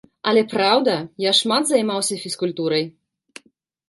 Але праўда, я шмат займаўся фізкультурай.